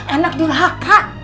anak dulha kak